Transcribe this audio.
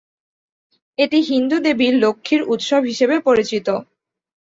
এটি হিন্দু দেবী লক্ষ্মীর উৎসব হিসেবে পরিচিত।